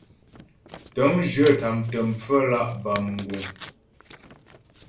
Tə̂ŋjyə tâmtə pfəmlǎ' bâ mguŋ.